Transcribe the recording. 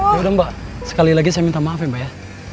ya udah mbak sekali lagi saya minta maaf ya mbak ya